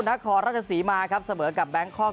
นักคอร์ราชสีมาครับเสมอกับแบงค์คอก